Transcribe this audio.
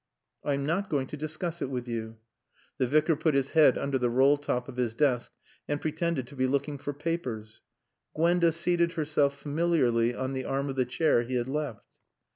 "I am not going to discuss it with you." The Vicar put his head under the roll top of his desk and pretended to be looking for papers. Gwenda seated herself familiarly on the arm of the chair he had left.